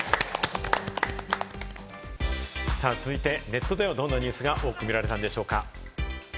続いてネットではどんなニュースが多く見られたんでしょうか。